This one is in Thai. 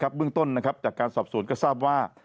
เบื้องต้นจากการสอบสวนก็ทราบว่า